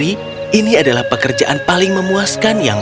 jika kita tahu dari mana cara memotong rumah ini menjadi manfaat